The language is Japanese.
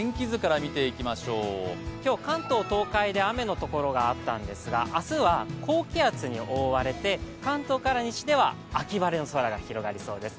今日、関東東海で、雨のところがあったんですが明日は高気圧に覆われて関東から西では秋晴れの空が広がりそうです。